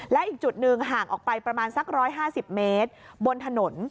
และอีกจุดหนึ่งห่างออกไปประมาณสัก๑๕๐เมตรบนถนน